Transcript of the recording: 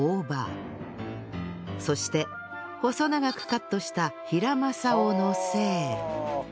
そして細長くカットしたヒラマサをのせ